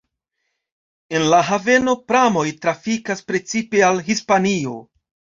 En la haveno pramoj trafikas precipe al Hispanio.